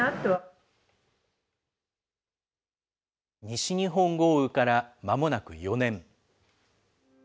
西日本豪雨からまもなく４年。